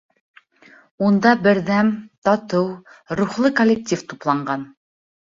Унда берҙәм, татыу, рухлы коллектив тупланған.